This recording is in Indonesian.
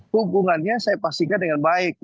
hubungannya saya pastikan dengan baik